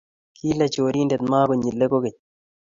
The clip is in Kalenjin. Kilee chorindet magonyile kogeny